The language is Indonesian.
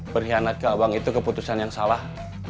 perhianat ke abang itu keputusan yang salah